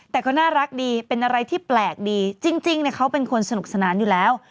แต่ก็น่ารักดีเป็นอะไรที่แปลกดีจริงเขาเป็นคนสนุกสนานอยู่แล้ว